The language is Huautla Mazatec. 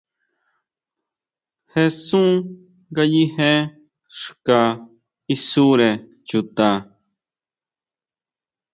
Jesún ngayije xka isure chuta.